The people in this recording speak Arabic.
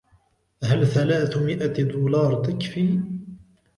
هل ثلاثمئة دولاد تكفي؟